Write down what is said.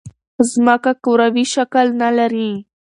ځمکه کروی شکل نه لري.